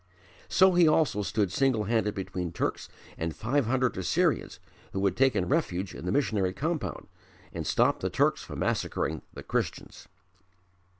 So he also stood single handed between Turks and five hundred Assyrians who had taken refuge in the missionary compound, and stopped the Turks from massacring the Christians.